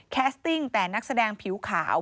แคสติ้งแต่นักแสดงผิวขาว